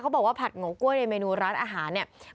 บอกว่าผัดโงกล้วยในเมนูร้านอาหารเนี่ย